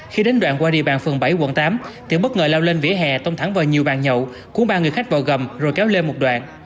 khi đến đoạn qua địa bàn phường bảy quận tám thì bất ngờ lao lên vỉa hè tông thẳng vào nhiều bàn nhậu của ba người khách vào gầm rồi kéo lên một đoạn